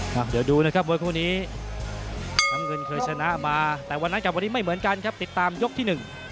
ครับเดี๋ยวดูนะครับมวยคู่นี้น้ำเงินเคยชนะมาแต่วันนั้นกับวันนี้ไม่เหมือนกันครับติดตามยกที่หนึ่ง